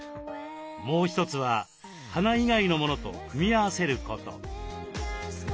もう一つは花以外のものと組み合わせること。